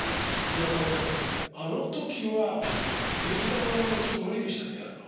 いやもうねあの時は劇団はもうちょっと無理でしたねやるの。